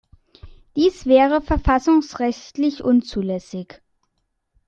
Dies wäre verfassungsrechtlich unzulässig.